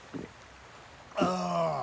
ああ！